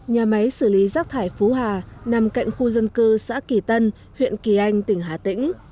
nhà máy xử lý rác thải phú hà nằm cạnh khu dân cư xã kỳ tân huyện kỳ anh tỉnh hà tĩnh